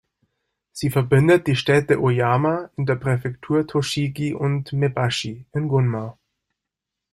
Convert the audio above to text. Sie verbindet die Städte Oyama in der Präfektur Tochigi und Maebashi in Gunma.